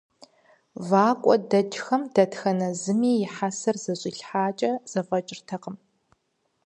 ВакӀуэ дэкӀхэм дэтхэнэ зыми и хьэсэр зэщӀилъхьакӀэ зэфӀэкӀыртэкъым.